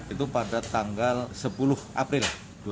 itu pada tanggal sepuluh april dua ribu dua puluh